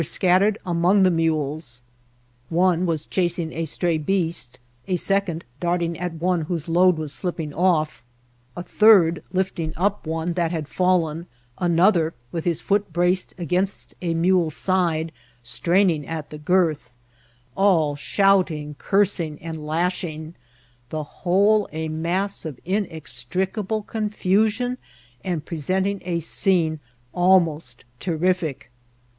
scattered among the mules : one was chasing a stray beast ; a second darting at one whose load was slip* ping off; a third lifting up one that had £allen ; an other, with his foot braced against a mule's side, straining at the girth ; all shouting, cursing, and lash ing : the whole a mass of inextricable confusion, and presenting a scene almost terrific.